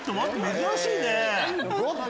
珍しいね。